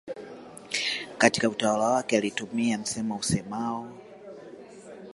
Katika utawala wake alitumia msemo useamao